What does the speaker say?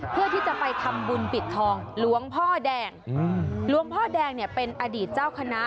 เพื่อที่จะไปทำบุญปิดทองหลวงพ่อแดงหลวงพ่อแดงเนี่ยเป็นอดีตเจ้าคณะ